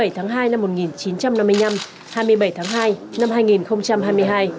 hai mươi tháng hai năm một nghìn chín trăm năm mươi năm hai mươi bảy tháng hai năm hai nghìn hai mươi hai